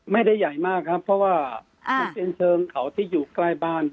ไม่ได้ใหญ่มากครับเพราะว่ามันเป็นเชิงเขาที่อยู่ใกล้บ้าน